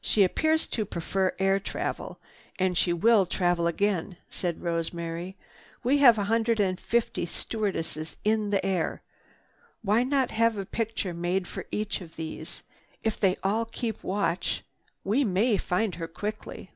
"She appears to prefer air travel, and she will travel again," said Rosemary. "We have a hundred and fifty stewardesses in the air. Why not have a picture made for each of these? If they all keep watch, we may find her quickly."